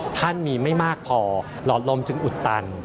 ท่านมีไม่มากพอหลอดลมจึงอุดตัน